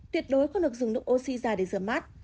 tuyệt đối không được dùng nước oxy ra để rửa mắt